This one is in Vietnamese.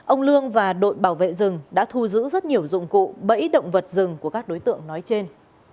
ông lương và đội bảo vệ rừng đã thu giữ rất nhiều dụng cụ bẫy động vật rừng của các đối tượng nói trên